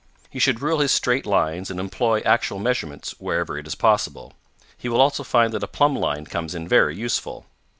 He should rule his straight lines and employ actual measurements wherever it is possible. He will also find that a plumb line comes in very useful.